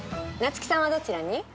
ナツキさんはどちらに？